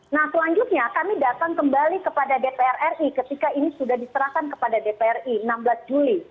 nah selanjutnya kami datang kembali kepada dpr ri ketika ini sudah diserahkan kepada dpr ri enam belas juli